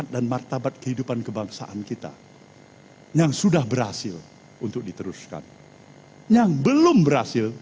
dan martabat kehidupan kebangsaan kita yang sudah berhasil untuk diteruskan yang belum berhasil